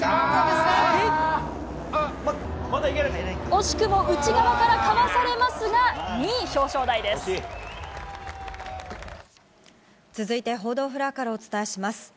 惜しくも内側からかわされま続いて、報道フロアからお伝えします。